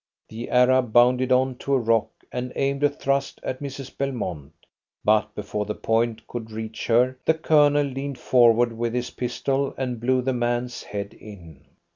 The Arab bounded on to a rock and aimed a thrust at Mrs. Belmont, but before the point could reach her the Colonel leaned forward with his pistol and blew the man's head in.